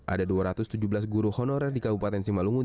ada dua ratus tujuh belas guru honorer di kabupaten simalungun